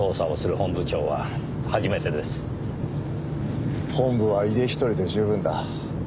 本部は井出一人で十分だ。